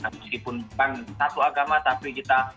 meskipun bukan satu agama tapi kita